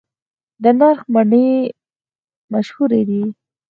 د نرخ مڼې مشهورې دي